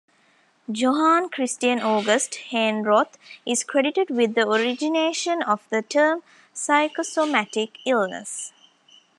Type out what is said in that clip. Johann Christian August Heinroth is credited with the origination of the term psychosomatic illness.